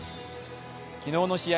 昨日の試合